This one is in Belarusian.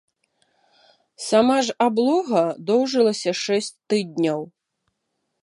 Сама ж аблога доўжылася шэсць тыдняў.